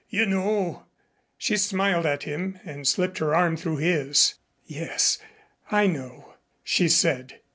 "You know " She smiled at him and slipped her arm through his. "Yes, I know," she said.